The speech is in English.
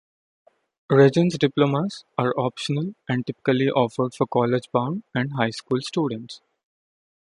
Regents diplomas are optional and typically offered for college-bound and high school students.